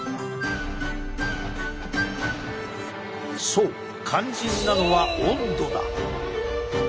そう肝心なのは温度だ！